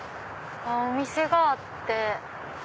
お店があって。